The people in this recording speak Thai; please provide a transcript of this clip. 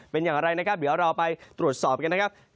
เป็นอย่างไรนะครับเดี๋ยวเราไปตรวจสอบกันนะครับ